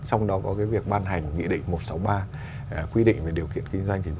trong đó có việc ban hành nghị định một trăm sáu mươi ba